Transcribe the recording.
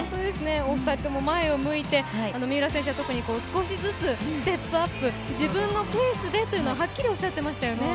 お二人とも前を向いて、三浦選手は少しずつステップアップ、自分のペースでというのをはっきりおっしゃっていました。